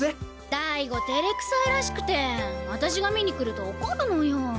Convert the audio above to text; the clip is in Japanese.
大吾てれくさいらしくて私が見に来ると怒るのよ。